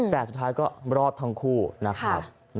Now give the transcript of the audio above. แต่สุดท้ายก็รอดทั้งคู่นะครับ